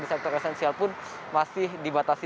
di sektor esensial pun masih dibatasi